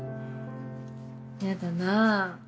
やだな。